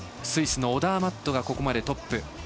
スイスのオダーマットがここまでトップ。